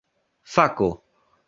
fako